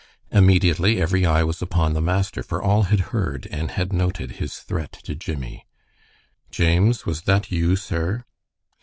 Immediately every eye was upon the master, for all had heard and had noted his threat to Jimmie. "James, was that you, sir?"